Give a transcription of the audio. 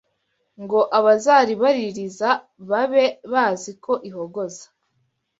Ngo abazaribaririza Babe bazi ko ihogoza